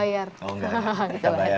lalu kita bayar